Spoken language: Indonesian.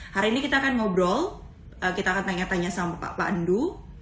hari ini kita akan ngobrol kita akan tanya tanya sama pak pandu